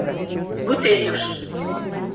Botelhos